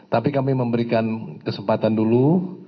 tapi kami memberikan kesempatan dulu